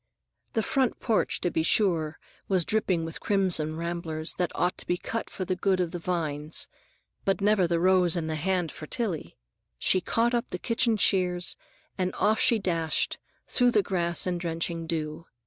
The front porch, to be sure, was dripping with crimson ramblers that ought to be cut for the good of the vines; but never the rose in the hand for Tillie! She caught up the kitchen shears and off she dashed through grass and drenching dew.